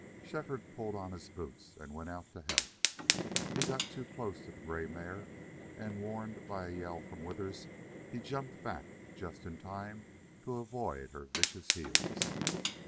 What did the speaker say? Shefford pulled on his boots and went out to help. He got too close to the gray mare and, warned by a yell from Withers, he jumped back just in time to avoid her vicious heels.